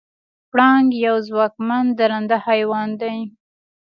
پړانګ یو ځواکمن درنده حیوان دی.